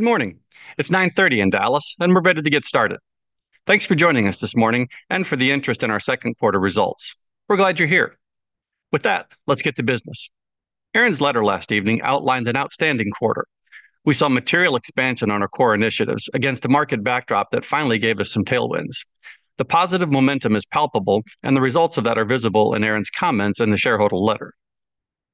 Morning. It's 9:30 in Dallas, and we're ready to get started. Thanks for joining us this morning and for the interest in our second quarter results. We're glad you're here. With that, let's get to business. Aaron's letter last evening outlined an outstanding quarter. We saw material expansion on our core initiatives against a market backdrop that finally gave us some tailwinds. The positive momentum is palpable, and the results of that are visible in Aaron's comments in the shareholder letter.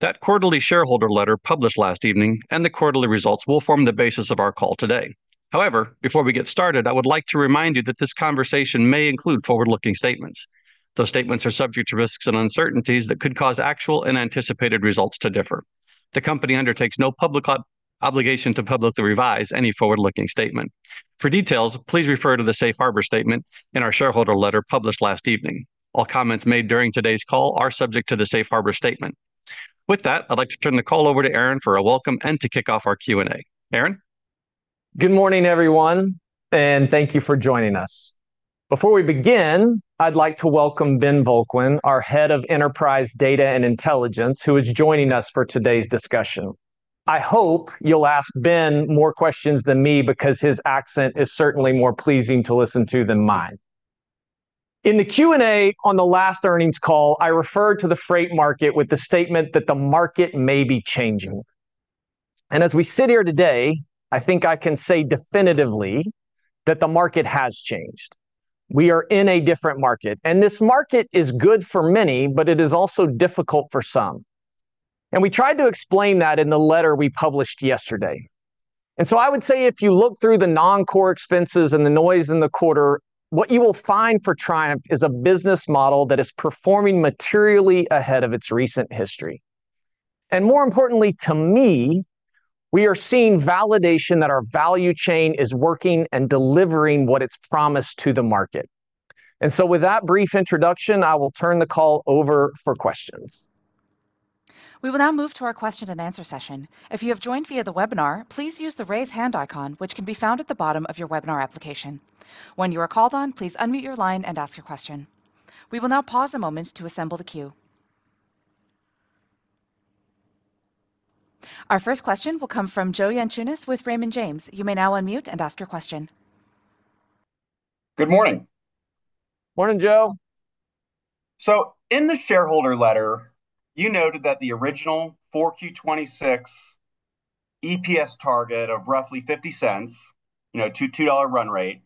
That quarterly shareholder letter published last evening, the quarterly results will form the basis of our call today. However, before we get started, I would like to remind you that this conversation may include Forward-Looking statements. Those statements are subject to risks and uncertainties that could cause actual and anticipated results to differ. The company undertakes no obligation to publicly revise any Forward-Looking statement. For details, please refer to the safe harbor statement in our shareholder letter published last evening. All comments made during today's call are subject to the safe harbor statement. With that, I'd like to turn the call over to Aaron for a welcome and to kick off our Q&A. Aaron? Good morning, everyone, thank you for joining us. Before we begin, I'd like to welcome Ben Volkwyn, our Head of Enterprise Data and Intelligence, who is joining us for today's discussion. I hope you'll ask Ben more questions than me because his accent is certainly more pleasing to listen to than mine. In the Q&A on the last earnings call, I referred to the freight market with the statement that the market may be changing. As we sit here today, I think I can say definitively that the market has changed. We are in a different market, this market is good for many, but it is also difficult for some. We tried to explain that in the letter we published yesterday. I would say if you look through the non-core expenses and the noise in the quarter, what you will find for Triumph is a business model that is performing materially ahead of its recent history. More importantly to me, we are seeing validation that our value chain is working and delivering what it's promised to the market. With that brief introduction, I will turn the call over for questions. We will now move to our question-and-answer session. If you have joined via the webinar, please use the raise hand icon, which can be found at the bottom of your webinar application. When you are called on, please unmute your line and ask your question. We will now pause a moment to assemble the queue. Our first question will come from Joe Yanchunis with Raymond James. You may now unmute and ask your question. Good morning. Morning, Joe. In the shareholder letter, you noted that the original 4Q 2026 EPS target of roughly $0.50-$2 run rate,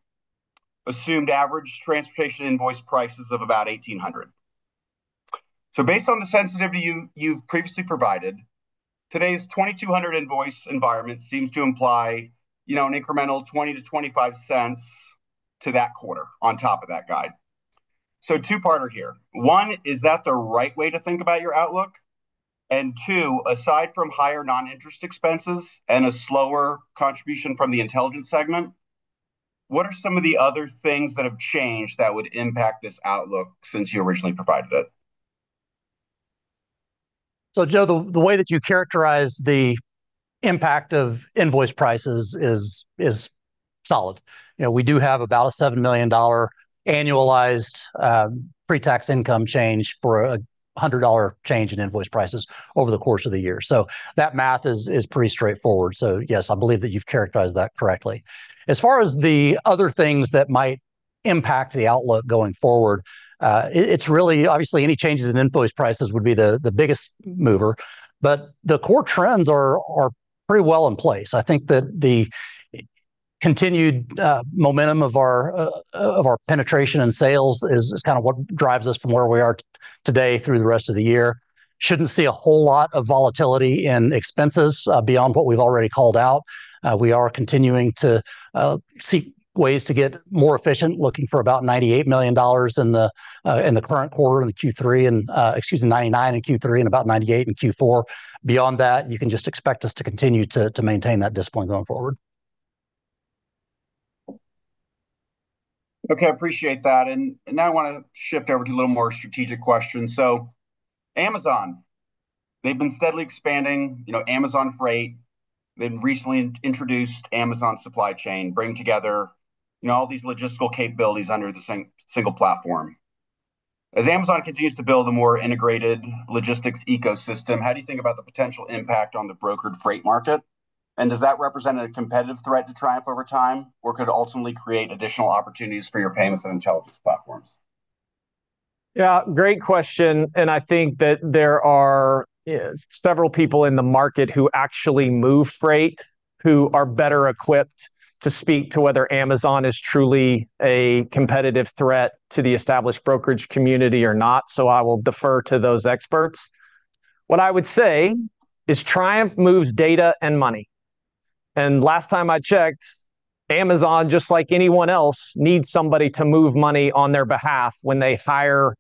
assumed average transportation invoice prices of about 1,800. Based on the sensitivity you've previously provided, today's 2,200 invoice environment seems to imply an incremental $0.20-$0.25 to that quarter on top of that guide. Two-parter here. One, is that the right way to think about your outlook? And two, aside from higher non-interest expenses and a slower contribution from the intelligence segment, what are some of the other things that have changed that would impact this outlook since you originally provided it? Joe, the way that you characterize the impact of invoice prices is solid. We do have about a $7 million annualized pre-tax income change for a $100 change in invoice prices over the course of the year. That math is pretty straightforward. Yes, I believe that you've characterized that correctly. As far as the other things that might impact the outlook going forward, obviously, any changes in invoice prices would be the biggest mover, but the core trends are pretty well in place. I think that the continued momentum of our penetration and sales is kind of what drives us from where we are today through the rest of the year. Shouldn't see a whole lot of volatility in expenses beyond what we've already called out. We are continuing to seek ways to get more efficient, looking for about $98 million in the current quarter in Q3, $99 million in Q3 and about $98 million in Q4. Beyond that, you can just expect us to continue to maintain that discipline going forward. Okay. I appreciate that. Now I want to shift over to a little more strategic question. Amazon, they've been steadily expanding Amazon Freight. They've recently introduced Amazon Supply Chain, bringing together all these logistical capabilities under the single platform. As Amazon continues to build a more integrated logistics ecosystem, how do you think about the potential impact on the brokered freight market, and does that represent a competitive threat to Triumph over time, or could it ultimately create additional opportunities for your payments and intelligence platforms? Yeah, great question. I think that there are several people in the market who actually move freight who are better equipped to speak to whether Amazon is truly a competitive threat to the established brokerage community or not. I will defer to those experts. What I would say is Triumph moves data and money. Last time I checked, Amazon, just like anyone else, needs somebody to move money on their behalf when they hire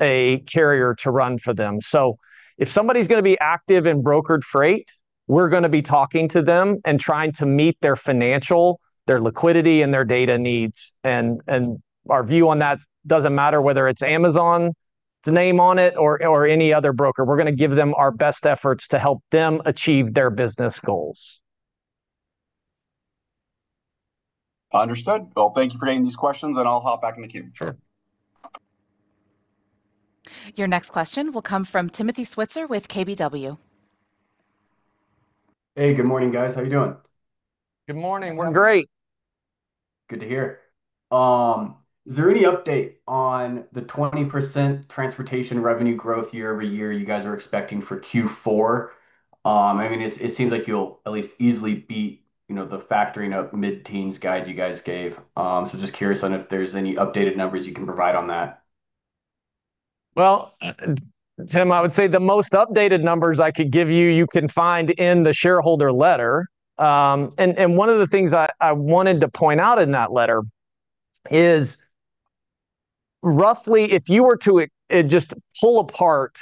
a carrier to run for them. If somebody's going to be active in brokered freight, we're going to be talking to them and trying to meet their financial, their liquidity, and their data needs. Our view on that, doesn't matter whether it's Amazon's name on it or any other broker, we're going to give them our best efforts to help them achieve their business goals. Understood. Well, thank you for taking these questions. I'll hop back in the queue. Sure. Your next question will come from Timothy Switzer with KBW. Hey, good morning, guys. How you doing? Good morning. We're doing great. Good to hear. Is there any update on the 20% transportation revenue growth year-over-year you guys are expecting for Q4? It seems like you'll at least easily beat the factoring of mid-teens guide you guys gave. Just curious on if there's any updated numbers you can provide on that. Tim, I would say the most updated numbers I could give you can find in the shareholder letter. One of the things I wanted to point out in that letter is roughly if you were to just pull apart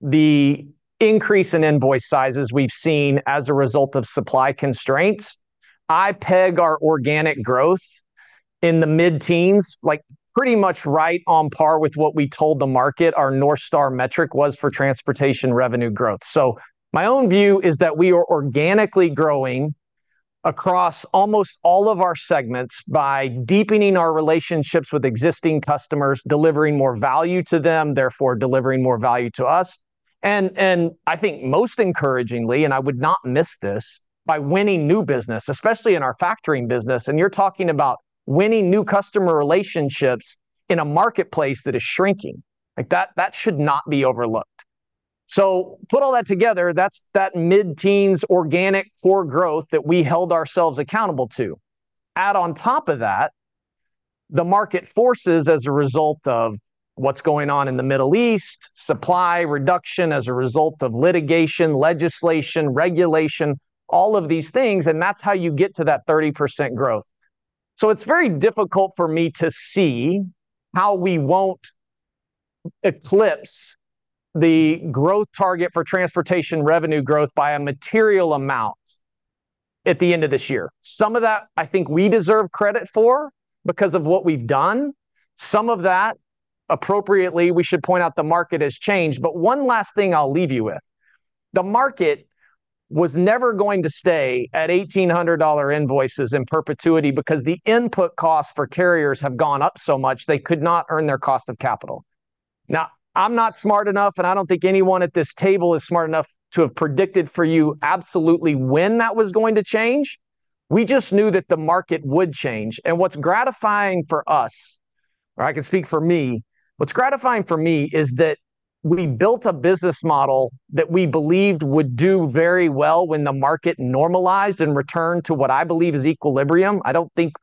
the increase in invoice sizes we've seen as a result of supply constraints, I peg our organic growth in the mid-teens, pretty much right on par with what we told the market our North Star metric was for transportation revenue growth. My own view is that we are organically growing across almost all of our segments by deepening our relationships with existing customers, delivering more value to them, therefore delivering more value to us. I think most encouragingly, I would not miss this, by winning new business, especially in our factoring business, and you're talking about winning new customer relationships in a marketplace that is shrinking. That should not be overlooked. Put all that together, that's that mid-teens organic core growth that we held ourselves accountable to. Add on top of that, the market forces as a result of what's going on in the Middle East, supply reduction as a result of litigation, legislation, regulation, all of these things, and that's how you get to that 30% growth. It's very difficult for me to see how we won't eclipse the growth target for transportation revenue growth by a material amount at the end of this year. Some of that I think we deserve credit for because of what we've done. Some of that, appropriately, we should point out the market has changed. One last thing I'll leave you with. The market was never going to stay at $1,800 invoices in perpetuity because the input costs for carriers have gone up so much, they could not earn their cost of capital. I'm not smart enough, and I don't think anyone at this table is smart enough to have predicted for you absolutely when that was going to change. We just knew that the market would change. What's gratifying for us, or I can speak for me, what's gratifying for me is that we built a business model that we believed would do very well when the market normalized and returned to what I believe is equilibrium. I don't think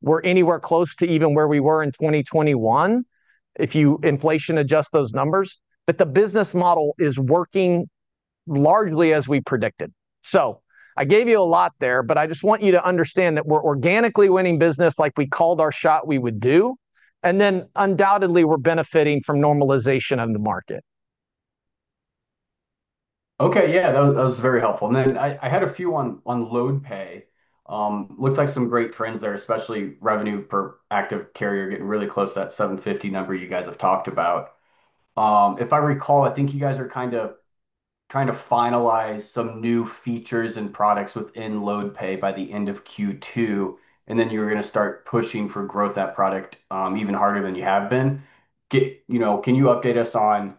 we're anywhere close to even where we were in 2021, if you inflation adjust those numbers. The business model is working largely as we predicted. I gave you a lot there, but I just want you to understand that we're organically winning business like we called our shot we would do, and then undoubtedly, we're benefiting from normalization of the market. Okay. Yeah. That was very helpful. I had a few on LoadPay. Looked like some great trends there, especially revenue per active carrier, getting really close to that 750 number you guys have talked about. If I recall, I think you guys are kind of trying to finalize some new features and products within LoadPay by the end of Q2, you were going to start pushing for growth that product even harder than you have been. Can you update us on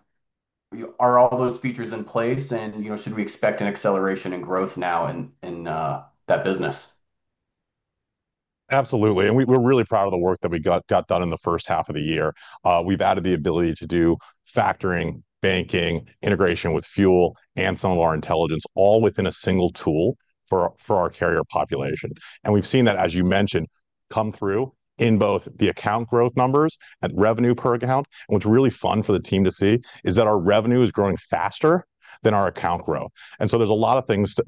are all those features in place and should we expect an acceleration and growth now in that business? Absolutely. We're really proud of the work that we got done in the first half of the year. We've added the ability to do factoring, banking, integration with fuel, and some of our intelligence all within a single tool for our carrier population. We've seen that, as you mentioned, come through in both the account growth numbers and revenue per account. What's really fun for the team to see is that our revenue is growing faster than our account growth. There's a lot of things to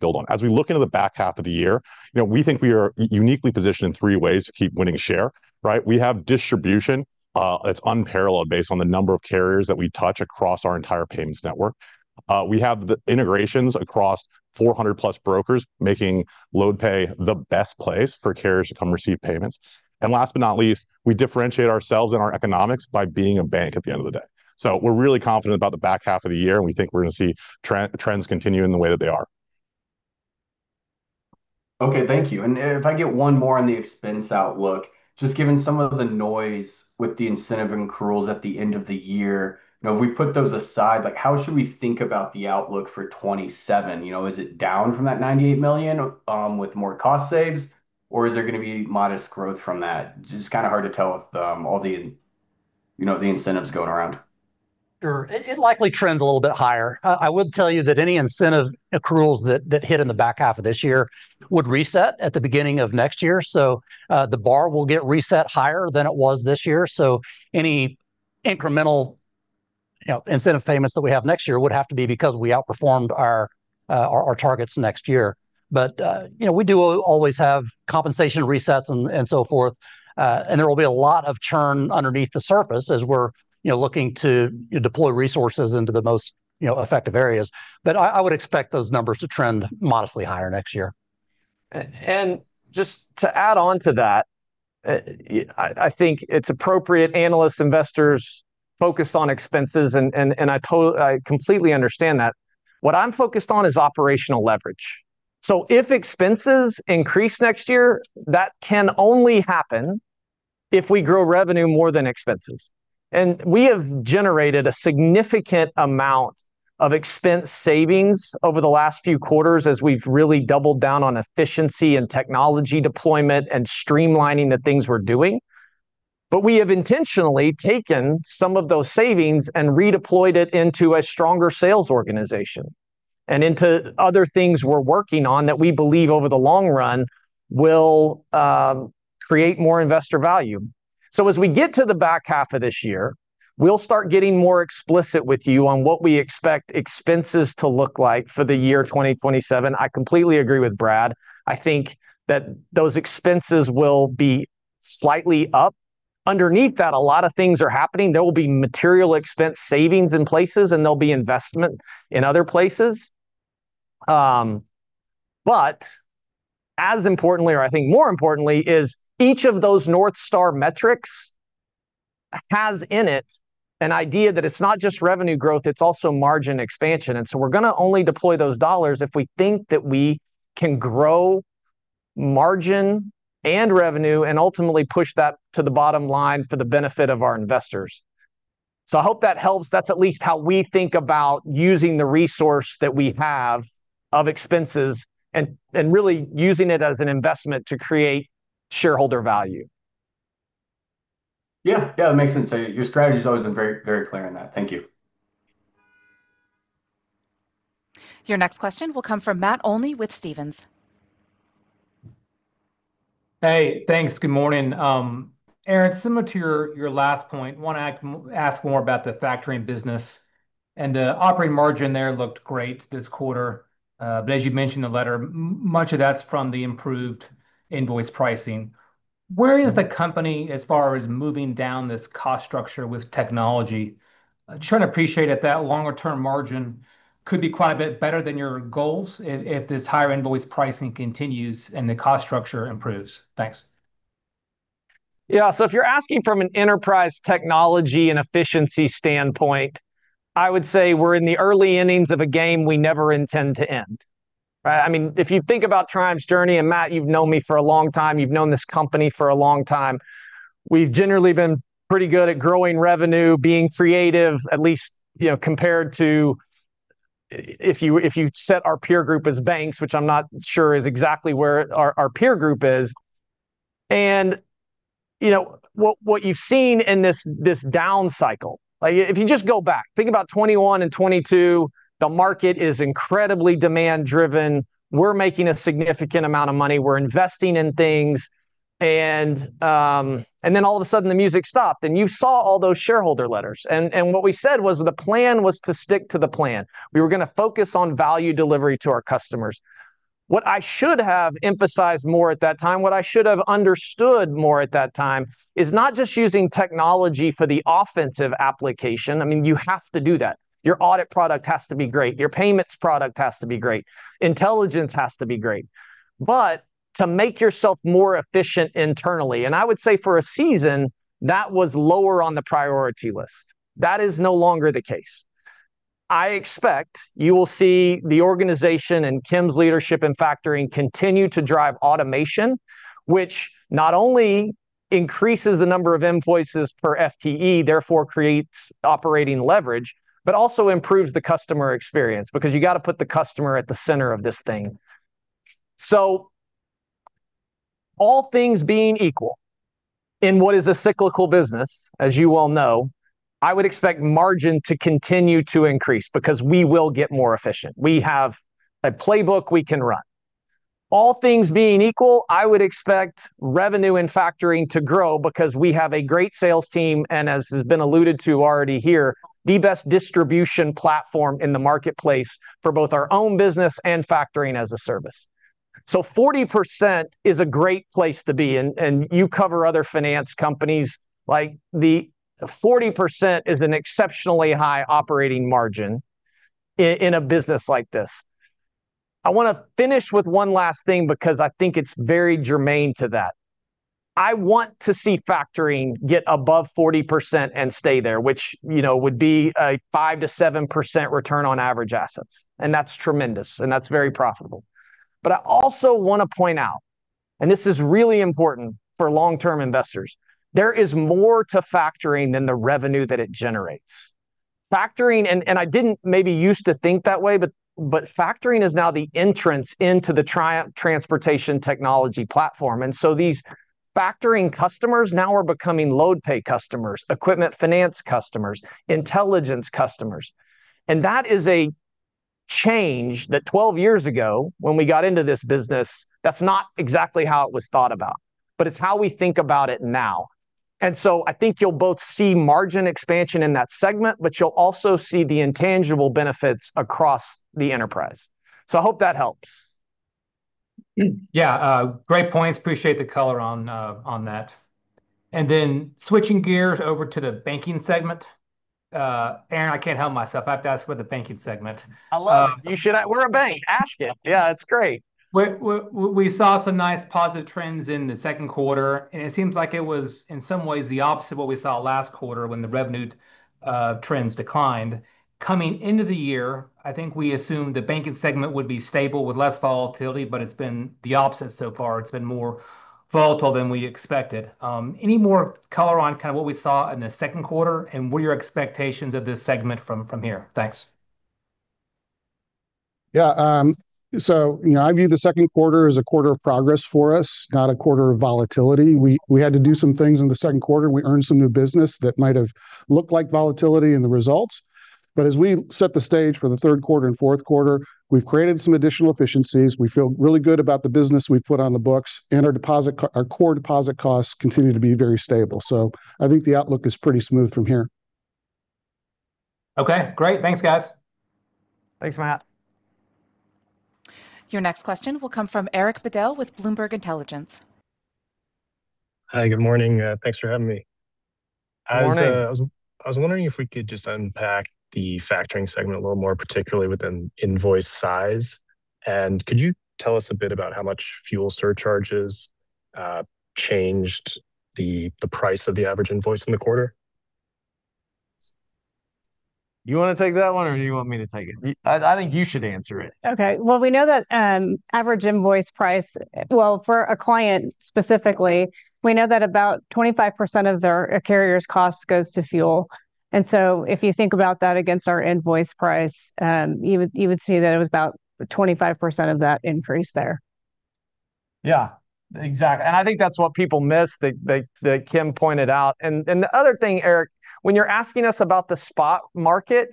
build on. As we look into the back half of the year, we think we are uniquely positioned in three ways to keep winning share. Right? We have distribution that's unparalleled based on the number of carriers that we touch across our entire payments network. We have the integrations across 400+ brokers making LoadPay the best place for carriers to come receive payments. Last but not least, we differentiate ourselves and our economics by being a bank at the end of the day. We're really confident about the back half of the year, and we think we're going to see trends continue in the way that they are. Okay. Thank you. If I get one more on the expense outlook, just given some of the noise with the incentive accruals at the end of the year, if we put those aside, how should we think about the outlook for 2027? Is it down from that $98 million with more cost saves, or is there going to be modest growth from that? Just kind of hard to tell with all the incentives going around. It likely trends a little bit higher. I will tell you that any incentive accruals that hit in the back half of this year would reset at the beginning of next year. The bar will get reset higher than it was this year. Any incremental incentive payments that we have next year would have to be because we outperformed our targets next year. We do always have compensation resets and so forth. There will be a lot of churn underneath the surface as we're looking to deploy resources into the most effective areas. I would expect those numbers to trend modestly higher next year. Just to add on to that, I think it's appropriate analysts, investors focus on expenses, and I completely understand that. What I'm focused on is operational leverage. If expenses increase next year, that can only happen if we grow revenue more than expenses. We have generated a significant amount of expense savings over the last few quarters, as we've really doubled down on efficiency and technology deployment and streamlining the things we're doing. We have intentionally taken some of those savings and redeployed it into a stronger sales organization and into other things we're working on that we believe over the long run will create more investor value. As we get to the back half of this year, we'll start getting more explicit with you on what we expect expenses to look like for the year 2027. I completely agree with Brad. I think that those expenses will be slightly up. Underneath that, a lot of things are happening. There will be material expense savings in places, and there'll be investment in other places. As importantly, or I think more importantly, is each of those North Star metrics has in it an idea that it's not just revenue growth, it's also margin expansion. We're going to only deploy those dollars if we think that we can grow margin and revenue and ultimately push that to the bottom line for the benefit of our investors. I hope that helps. That's at least how we think about using the resource that we have of expenses and really using it as an investment to create shareholder value. Yeah. It makes sense. Your strategy has always been very clear in that. Thank you. Your next question will come from Matt Olney with Stephens. Hey, thanks. Good morning. Aaron, similar to your last point, want to ask more about the factoring business. The operating margin there looked great this quarter. As you mentioned in the letter, much of that's from the improved invoice pricing. Where is the company as far as moving down this cost structure with technology? Trying to appreciate if that longer-term margin could be quite a bit better than your goals if this higher invoice pricing continues and the cost structure improves. Thanks. Yeah. If you're asking from an enterprise technology and efficiency standpoint, I would say we're in the early innings of a game we never intend to end, right? If you think about Triumph's journey, and Matt, you've known me for a long time, you've known this company for a long time. We've generally been pretty good at growing revenue, being creative, at least compared to if you set our peer group as banks, which I'm not sure is exactly where our peer group is. What you've seen in this down cycle. If you just go back, think about 2021 and 2022. The market is incredibly demand-driven. We're making a significant amount of money. We're investing in things. Then all of a sudden, the music stopped, and you saw all those shareholder letters. What we said was the plan was to stick to the plan. We were going to focus on value delivery to our customers. What I should have emphasized more at that time, what I should have understood more at that time is not just using technology for the offensive application. You have to do that. Your audit product has to be great. Your TriumphPay product has to be great. Intelligence has to be great. To make yourself more efficient internally, and I would say for a season, that was lower on the priority list. That is no longer the case. I expect you will see the organization and Kim's leadership in factoring continue to drive automation, which not only increases the number of invoices per FTE, therefore creates operating leverage, but also improves the customer experience because you got to put the customer at the center of this thing. All things being equal in what is a cyclical business, as you well know, I would expect margin to continue to increase because we will get more efficient. We have a playbook we can run. All things being equal, I would expect revenue and factoring to grow because we have a great sales team, and as has been alluded to already here, the best distribution platform in the marketplace for both our own business and factoring as a service. 40% is a great place to be. You cover other finance companies. 40% is an exceptionally high operating margin in a business like this. I want to finish with one last thing because I think it's very germane to that. I want to see factoring get above 40% and stay there, which would be a 5%-7% return on average assets. That's tremendous, that's very profitable. I also want to point out, this is really important for long-term investors, there is more to factoring than the revenue that it generates. I didn't maybe used to think that way, factoring is now the entrance into the Triumph transportation technology platform. These factoring customers now are becoming LoadPay customers, equipment finance customers, intelligence customers. That is a change that 12 years ago, when we got into this business, that's not exactly how it was thought about. It's how we think about it now. I think you'll both see margin expansion in that segment, you'll also see the intangible benefits across the enterprise. I hope that helps. Yeah. Great points. Appreciate the color on that. Switching gears over to the banking segment, Aaron, I can't help myself. I have to ask about the banking segment. I love it. We're a bank. Ask it. Yeah, it's great. We saw some nice positive trends in the second quarter, and it seems like it was, in some ways, the opposite of what we saw last quarter when the revenue trends declined. Coming into the year, I think we assumed the banking segment would be stable with less volatility, but it's been the opposite so far. It's been more volatile than we expected. Any more color on what we saw in the second quarter, and what are your expectations of this segment from here? Thanks. Yeah. I view the second quarter as a quarter of progress for us, not a quarter of volatility. We had to do some things in the second quarter. We earned some new business that might have looked like volatility in the results. As we set the stage for the third quarter and fourth quarter, we've created some additional efficiencies. We feel really good about the business we've put on the books, and our core deposit costs continue to be very stable. I think the outlook is pretty smooth from here. Okay, great. Thanks, guys. Thanks, Matt. Your next question will come from Eric Bedell with Bloomberg Intelligence. Hi, good morning. Thanks for having me. Good morning. I was wondering if we could just unpack the Factoring segment a little more, particularly within invoice size. Could you tell us a bit about how much fuel surcharges changed the price of the average invoice in the quarter? You want to take that one or you want me to take it? I think you should answer it. Okay. Well, we know that Well, for a client specifically, we know that about 25% of their carrier's cost goes to fuel. If you think about that against our invoice price, you would see that it was about 25% of that increase there. Yeah, exactly. I think that's what people miss, that Kim pointed out. The other thing, Eric, when you're asking us about the spot market,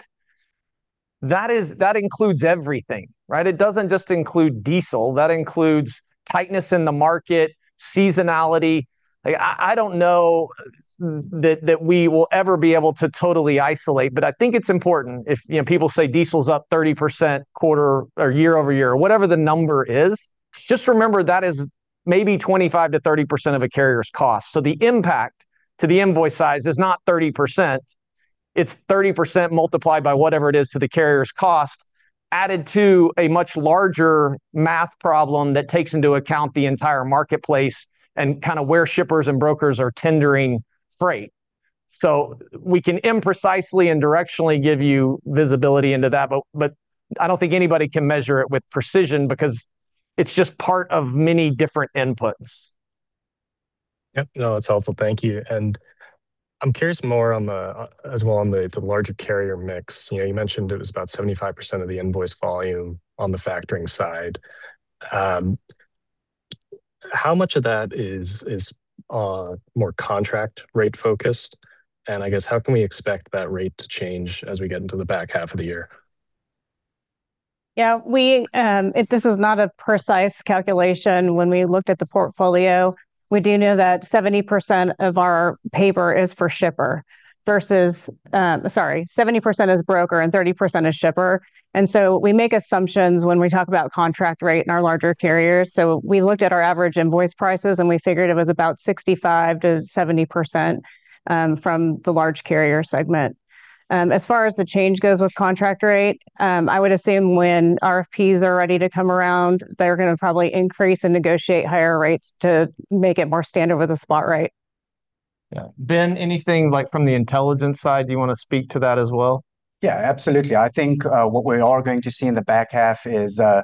that includes everything, right? It doesn't just include diesel. That includes tightness in the market, seasonality. I don't know that we will ever be able to totally isolate, but I think it's important if people say diesel's up 30% quarter or year-over-year or whatever the number is. Just remember, that is maybe 25%-30% of a carrier's cost. The impact to the invoice size is not 30%. It's 30% multiplied by whatever it is to the carrier's cost, added to a much larger math problem that takes into account the entire marketplace and where shippers and brokers are tendering freight. We can imprecisely and directionally give you visibility into that, but I don't think anybody can measure it with precision because it's just part of many different inputs. Yep. No, that's helpful. Thank you. I'm curious more as well on the larger carrier mix. You mentioned it was about 75% of the invoice volume on the factoring side. How much of that is more contract rate-focused? And I guess how can we expect that rate to change as we get into the back half of the year? Yeah. This is not a precise calculation. When we looked at the portfolio, we do know that 70% is broker and 30% is shipper. We make assumptions when we talk about contract rate in our larger carriers. We looked at our average invoice prices, and we figured it was about 65%-70% from the large carrier segment. As far as the change goes with contract rate, I would assume when RFPs are ready to come around, they're going to probably increase and negotiate higher rates to make it more standard with the spot rate. Yeah. Ben, anything from the intelligence side? Do you want to speak to that as well? Yeah, absolutely. I think what we are going to see in the back half is there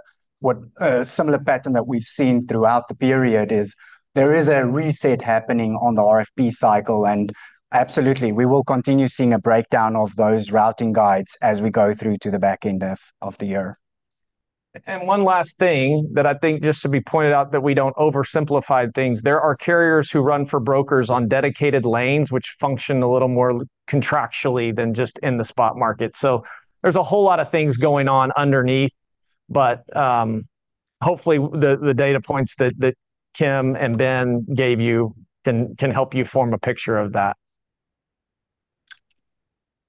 is a reset happening on the RFP cycle, absolutely, we will continue seeing a breakdown of those routing guides as we go through to the back end of the year. One last thing that I think just to be pointed out that we don't oversimplify things. There are carriers who run for brokers on dedicated lanes, which function a little more contractually than just in the spot market. There's a whole lot of things going on underneath, but hopefully, the data points that Kim and Ben gave you can help you form a picture of that.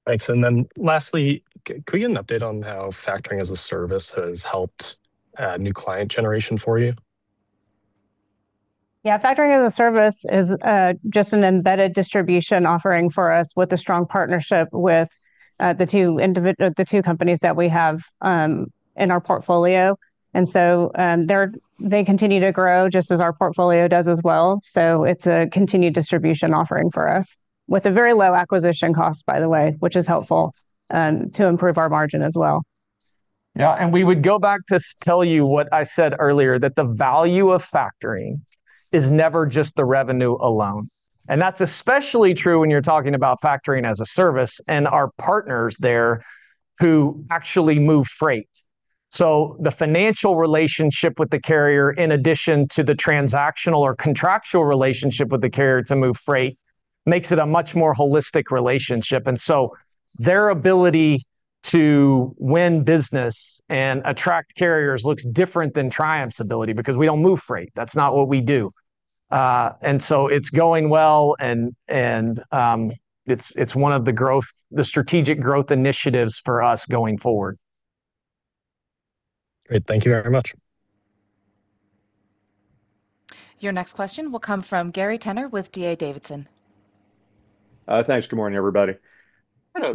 Thanks. Lastly, could we get an update on how factoring as a service has helped new client generation for you? Yeah. Factoring as a service is just an embedded distribution offering for us with a strong partnership with the two companies that we have in our portfolio. They continue to grow just as our portfolio does as well. It's a continued distribution offering for us with a very low acquisition cost, by the way, which is helpful to improve our margin as well. Yeah. We would go back to tell you what I said earlier, that the value of factoring is never just the revenue alone. That's especially true when you're talking about factoring as a service and our partners there who actually move freight. The financial relationship with the carrier, in addition to the transactional or contractual relationship with the carrier to move freight, makes it a much more holistic relationship. Their ability to win business and attract carriers looks different than Triumph's ability because we don't move freight. That's not what we do. It's going well, and it's one of the strategic growth initiatives for us going forward. Great. Thank you very much. Your next question will come from Gary Tenner with D.A. Davidson. Thanks. Good morning, everybody. Good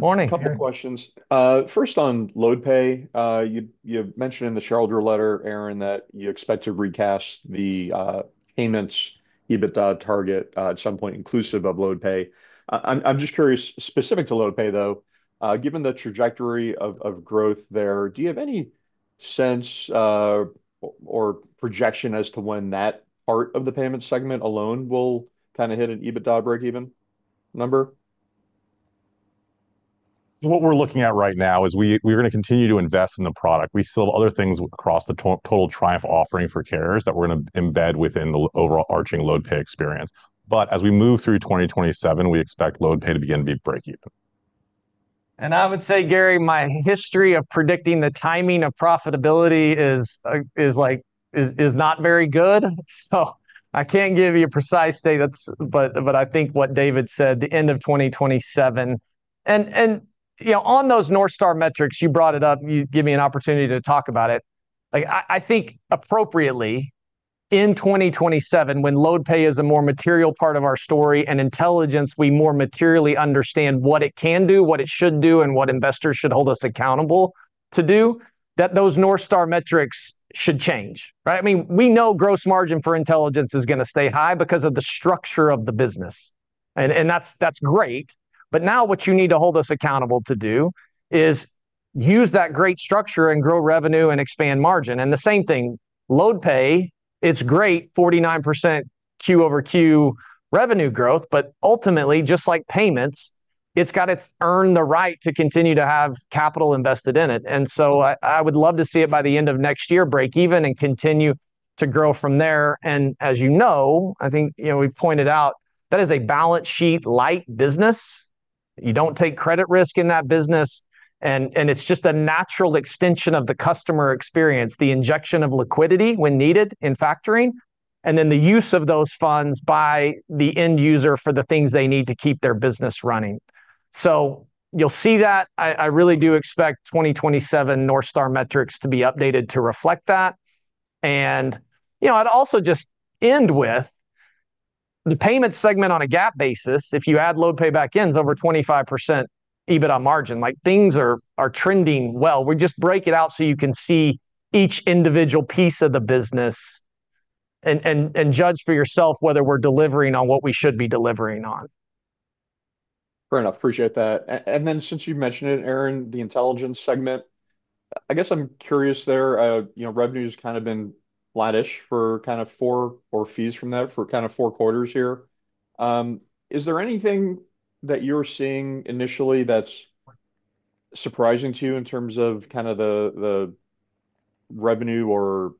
morning, Gary. A couple of questions. First, on LoadPay, you mentioned in the shareholder letter, Aaron, that you expect to recast the payments EBITDA target at some point inclusive of LoadPay. I'm just curious, specific to LoadPay, though, given the trajectory of growth there, do you have any sense or projection as to when that part of the payments segment alone will hit an EBITDA breakeven number? What we're looking at right now is we are going to continue to invest in the product. We still have other things across the total Triumph offering for carriers that we're going to embed within the overall arching LoadPay experience. As we move through 2027, we expect LoadPay to begin to be breakeven. I would say, Gary, my history of predicting the timing of profitability is not very good, so I can't give you a precise date. I think what David said, the end of 2027. On those North Star metrics, you brought it up, and you give me an opportunity to talk about it. I think appropriately in 2027, when LoadPay is a more material part of our story, and intelligence, we more materially understand what it can do, what it should do, and what investors should hold us accountable to do, that those North Star metrics should change, right? We know gross margin for intelligence is going to stay high because of the structure of the business, and that's great. Now what you need to hold us accountable to do is use that great structure and grow revenue and expand margin. The same thing, LoadPay, it's great, 49% Q-over-Q revenue growth, ultimately, just like payments, it's got to earn the right to continue to have capital invested in it. I would love to see it by the end of next year breakeven and continue to grow from there. As you know, I think we've pointed out that is a balance sheet light business. You don't take credit risk in that business, and it's just a natural extension of the customer experience, the injection of liquidity when needed in Factoring, and then the use of those funds by the end user for the things they need to keep their business running. You'll see that. I really do expect 2027 North Star metrics to be updated to reflect that. I'd also just end with the payment segment on a GAAP basis. If you add LoadPay back in, it's over 25% EBITDA margin. Things are trending well. We just break it out so you can see each individual piece of the business and judge for yourself whether we're delivering on what we should be delivering on. Fair enough. Appreciate that. Then since you've mentioned it, Aaron, the Intelligence segment, I guess I'm curious there. Revenue's been light-ish or fees from that for four quarters here. Is there anything that you're seeing initially that's surprising to you in terms of the revenue or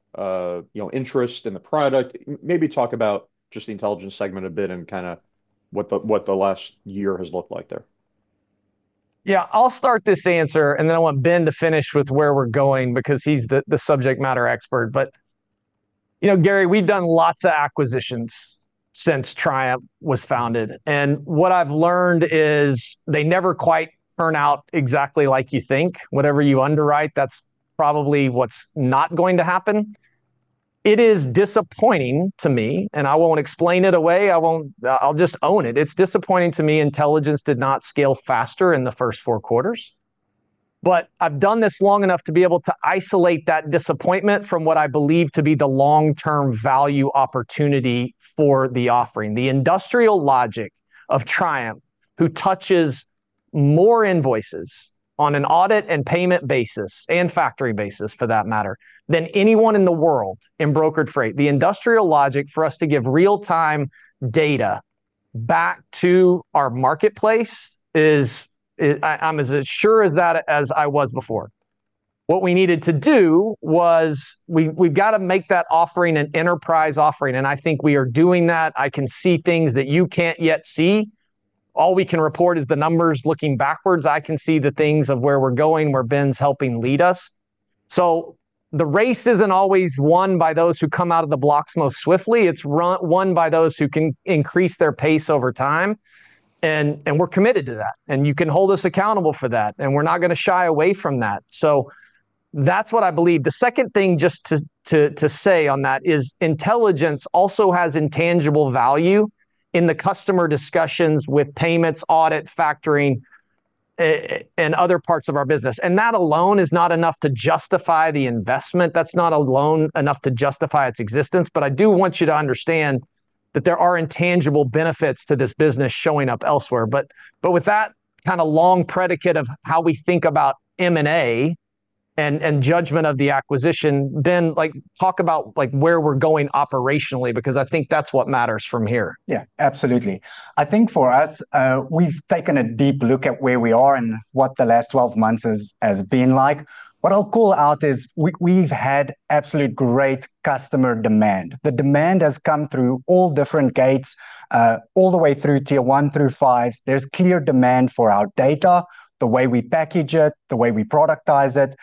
interest in the product? Maybe talk about just the Intelligence segment a bit and what the last year has looked like there. Yeah, I'll start this answer, then I want Ben to finish with where we're going because he's the subject matter expert. Gary, we've done lots of acquisitions since Triumph was founded, and what I've learned is they never quite turn out exactly like you think. Whatever you underwrite, that's probably what's not going to happen. It is disappointing to me, and I won't explain it away. I'll just own it. It's disappointing to me Intelligence did not scale faster in the first four quarters. I've done this long enough to be able to isolate that disappointment from what I believe to be the long-term value opportunity for the offering. The industrial logic of Triumph, who touches more invoices on an audit and payment basis, and factoring basis for that matter, than anyone in the world in brokered freight. The industrial logic for us to give real-time data back to our marketplace is, I'm as sure as that as I was before. What we needed to do was we've got to make that offering an enterprise offering, and I think we are doing that. I can see things that you can't yet see. All we can report is the numbers looking backwards. I can see the things of where we're going, where Ben's helping lead us. The race isn't always won by those who come out of the blocks most swiftly. It's won by those who can increase their pace over time, and we're committed to that, and you can hold us accountable for that, and we're not going to shy away from that. That's what I believe. The second thing just to say on that is intelligence also has intangible value in the customer discussions with payments, audit, factoring, and other parts of our business. That alone is not enough to justify the investment. That's not alone enough to justify its existence. I do want you to understand that there are intangible benefits to this business showing up elsewhere. With that long predicate of how we think about M&A and judgment of the acquisition, Ben, talk about where we're going operationally, because I think that's what matters from here. Yeah, absolutely. I think for us, we've taken a deep look at where we are and what the last 12 months has been like. What I'll call out is we've had absolute great customer demand. The demand has come through all different gates all the way through tier one through five. There's clear demand for our data, the way we package it, the way we productize it.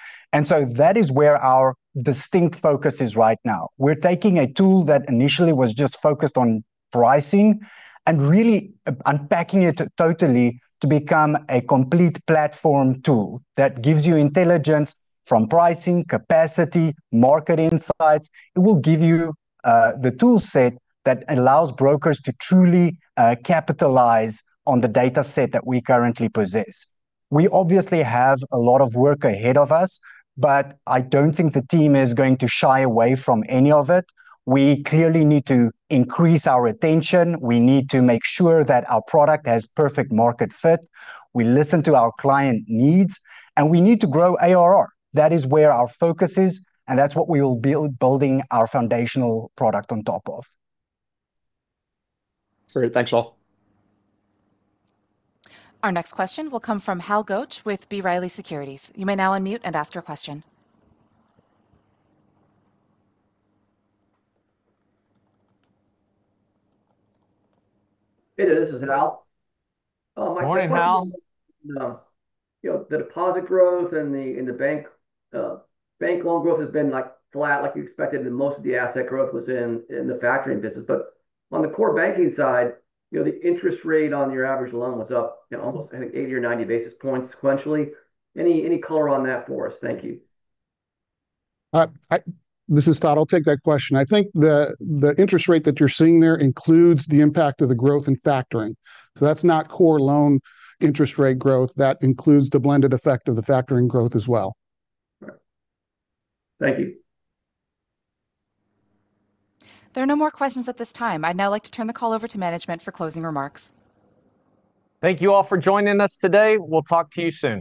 That is where our distinct focus is right now. We're taking a tool that initially was just focused on pricing and really unpacking it totally to become a complete platform tool that gives you intelligence from pricing, capacity, market insights. It will give you the toolset that allows brokers to truly capitalize on the data set that we currently possess. We obviously have a lot of work ahead of us. I don't think the team is going to shy away from any of it. We clearly need to increase our retention. We need to make sure that our product has perfect market fit. We listen to our client needs. We need to grow ARR. That is where our focus is, and that's what we will build, building our foundational product on top of. Great. Thanks, all. Our next question will come from Hal Goetsch with B. Riley Securities. You may now unmute and ask your question. Hey, this is Hal. Morning, Hal. The deposit growth and the bank loan growth has been flat like you expected, and most of the asset growth was in the Factoring business. On the core banking side, the interest rate on your average loan was up almost I think 80 or 90 basis points sequentially. Any color on that for us? Thank you. This is Todd. I'll take that question. I think the interest rate that you're seeing there includes the impact of the growth in factoring. That's not core loan interest rate growth. That includes the blended effect of the factoring growth as well. Right. Thank you. There are no more questions at this time. I'd now like to turn the call over to management for closing remarks. Thank you all for joining us today. We'll talk to you soon.